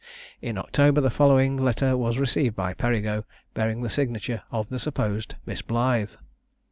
In October the following letter was received by Perigo, bearing the signature of the supposed Miss Blythe.